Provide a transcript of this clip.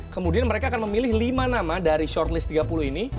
kemudian mereka akan memilih lima nama dari shortless tiga puluh ini